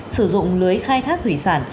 sử dụng lưới khai thác thủy sản